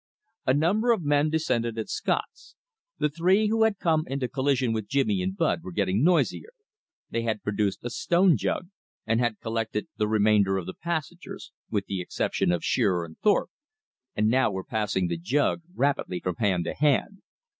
A number of men descended at Scott's. The three who had come into collision with Jimmy and Bud were getting noisier. They had produced a stone jug, and had collected the remainder of the passengers, with the exception of Shearer and Thorpe, and now were passing the jug rapidly from hand to hand.